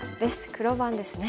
黒番ですね。